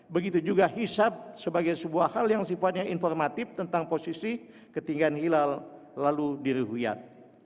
begitu juga hisap sebagai sebuah hal yang sifatnya informatif tentang posisi ketinggian hilal lalu dirihuyat